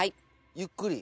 ゆっくり。